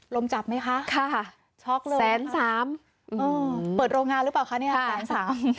ลมจับไหมคะช็อกเลยนะคะอืมเปิดโรงงานหรือเปล่าคะเนี่ย๑๓๐๐๐บาท